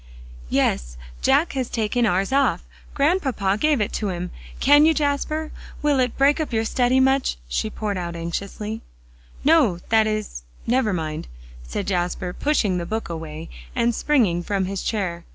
"Yes; Jack has taken ours off; Grandpapa gave it to him. Can you, Jasper? Will it break up your study much?" she poured out anxiously. "No that is never mind," said Jasper, pushing the book away and springing from his chair.